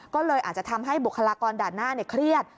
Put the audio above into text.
ก็เลยอาจจะทำให้บุคลากรด่านหน้าเครียด